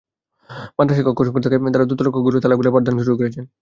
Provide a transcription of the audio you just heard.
মাদ্রাসায় কক্ষসংকট থাকায় তাঁরা দোতলার কক্ষগুলোর তালা খুলে পাঠদান শুরু করেছেন।